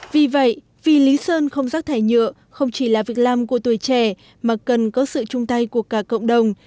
vì vậy vì lý sơn không rác thải nhựa không chỉ là việc làm của tuổi trẻ mà cần có sự chung tay của cả cộng đồng